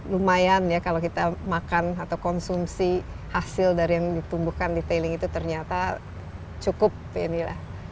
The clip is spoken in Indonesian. lumayan ya kalau kita makan atau konsumsi hasil dari yang ditumbuhkan di tailing itu ternyata cukup ini lah